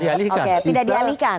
oke tidak dialihkan